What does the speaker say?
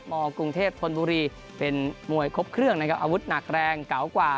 กรุงเทพธนบุรีเป็นมวยครบเครื่องนะครับอาวุธหนักแรงเก่ากว่า